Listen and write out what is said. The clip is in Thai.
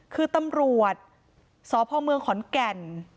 คือตำรวจสพขอนแก่น